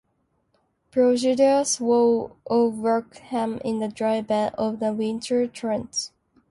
Prodigious walls of rock hem in the dry bed of a winter torrent.